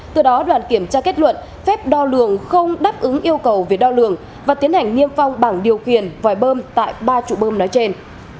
từ đó đoàn kiểm tra kết luận phép đo lường không đáp ứng yêu cầu về đo lường và tiến hành niêm phong bảng điều khiển vòi bơm tại ba trụ bơm nói trên